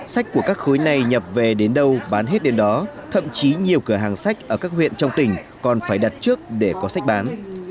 sách của các khối này nhập về đến đâu bán hết đến đó thậm chí nhiều cửa hàng sách ở các huyện trong tỉnh còn phải đặt trước để có sách bán